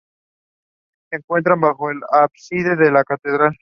Se encuentra bajo el ábside de la catedral.